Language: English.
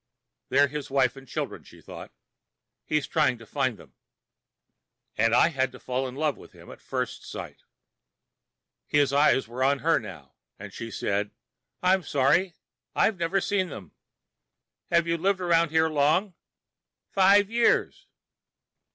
They're his wife and children, she thought. He's trying to find them. And I had to fall in love with him at first sight. His eyes were on her now, and she said, "I'm sorry, I've never seen them." "Have you lived around here long?" "Five years."